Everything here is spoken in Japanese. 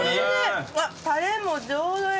タレもちょうどいい。